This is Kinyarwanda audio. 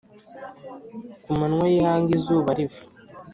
ku manywa y'ihangu izuba riva